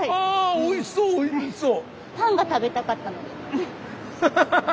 おいしそうおいしそう！